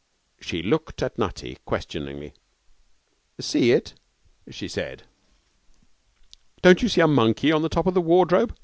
She looked at Nutty questioningly. 'See it?' she said. 'Don't you see a monkey on the top of the wardrobe?'